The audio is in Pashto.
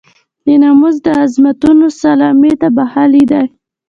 د ناموس د عظمتونو سلامي ته بخښلی دی.